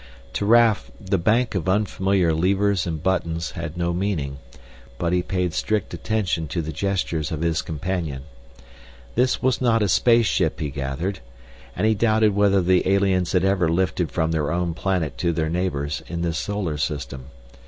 To Raf the bank of unfamiliar levers and buttons had no meaning, but he paid strict attention to the gestures of his companion. This was not a space ship he gathered. And he doubted whether the aliens had ever lifted from their own planet to their neighbors in this solar system.